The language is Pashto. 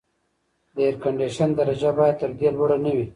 د اېرکنډیشن درجه باید تر دې لوړه نه وي.